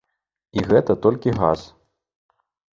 І гэта толькі газ.